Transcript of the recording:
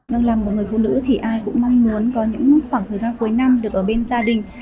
vâng là một người phụ nữ thì ai cũng mong muốn có những khoảng thời gian cuối năm được ở bên gia đình